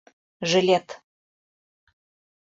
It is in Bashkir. Жилет.